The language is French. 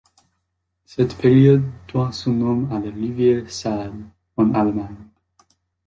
Cette période doit son nom à la rivière Saale, en Allemagne.